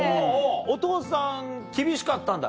お父さん厳しかったんだ。